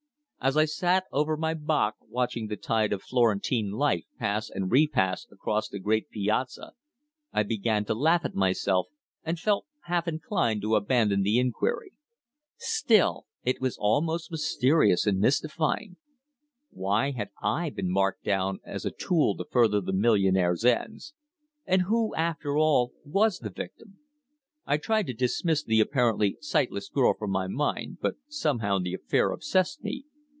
As I sat over my "bock" watching the tide of Florentine life pass and repass across the great piazza, I began to laugh at myself, and felt half inclined to abandon the inquiry. Still it was all most mysterious and mystifying. Why had I been marked down as a tool to further the millionaire's ends? And who, after all, was the victim? I tried to dismiss the apparently sightless girl from my mind, but somehow the affair obsessed me.